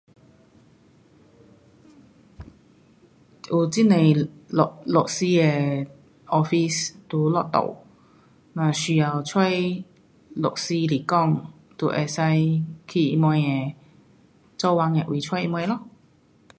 有很多律，律师的 office 在咱路。如需要找律师来讲就可以去什么的做工的位找什么咯。